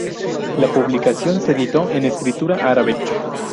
La publicación se editó en escritura árabe.